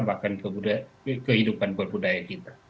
bahkan kehidupan berbudaya kita